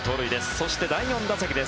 そして、第４打席です。